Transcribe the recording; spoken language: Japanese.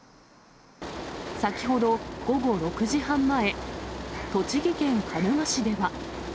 先ほど、午後６時半前、栃木県鹿沼市では。